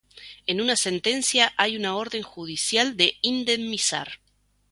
En una sentencia hay una orden judicial de indemnizar.